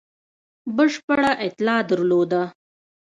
بشپړه اطلاع درلوده.